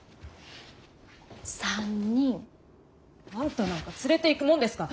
あんたなんか連れていくもんですか。